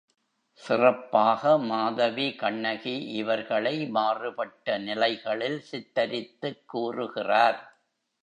சிறப்பாக மாதவி கண்ணகி இவர்களை மாறுபட்ட நிலைகளில் சித்திரித்துக் கூறுகிறார்.